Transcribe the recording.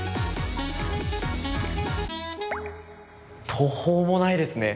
途方もないですね。